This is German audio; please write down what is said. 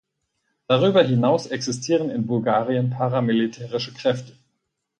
Darüber hinaus existieren in Bulgarien paramilitärische Kräfte.